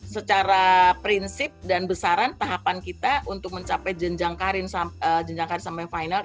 secara prinsip dan besaran tahapan kita untuk mencapai jenjang karir sampai final